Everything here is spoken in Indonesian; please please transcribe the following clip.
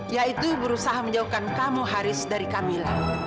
yaitu berusaha menjauhkan kamu haris dari kamila